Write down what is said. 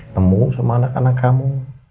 temu sama anak anak kamu